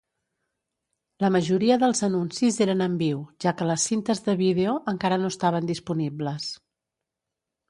La majoria dels anuncis eren en viu, ja que les cintes de vídeo encara no estaven disponibles.